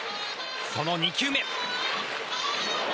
その２球目。